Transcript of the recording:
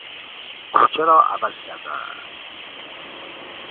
کوچه را عوضی کردن